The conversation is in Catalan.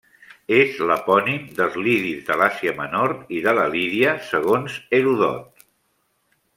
És l'epònim dels lidis de l'Àsia menor i de la Lídia, segons Heròdot.